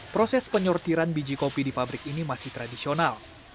proses penyortiran biji kopi di pabrik ini masih tradisional